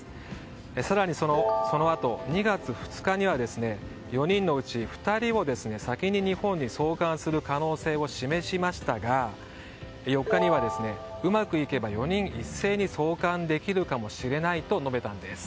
更に、そのあと２月２日には４人のうち２人を先に日本に送還する可能性を示しましたが４日には、うまくいけば４人一斉に送還できるかもしれないと述べたんです。